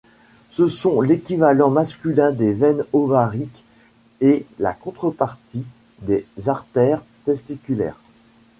Ce sont l'équivalent masculin des veines ovariques et la contrepartie des artères testiculaires.